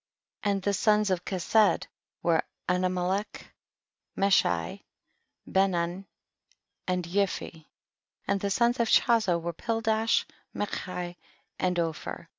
23. And the sons of Kesed were Anamlech, Meshai, Benon and Yifi ; and the sons of Chazo were Pildash, Mechi and Opher.